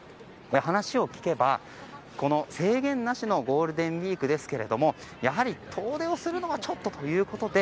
話を聞けば、制限なしのゴールデンウィークですけどやはり遠出をするのはちょっとということで